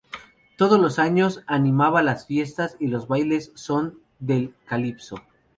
Todos los años animaba las fiestas y los bailes al son del calipso.